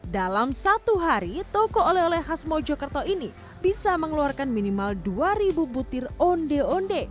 dalam satu hari toko oleh oleh khas mojokerto ini bisa mengeluarkan minimal dua ribu butir onde onde